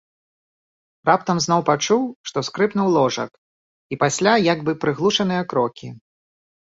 Раптам зноў пачуў, што скрыпнуў ложак і пасля як бы прыглушаныя крокі.